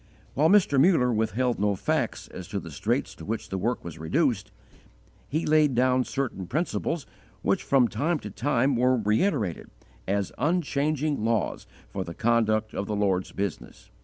While Mr. Muller withheld no facts as to the straits to which the work was reduced, he laid down certain principles which from time to time were reiterated as unchanging laws for the conduct of the Lord's business.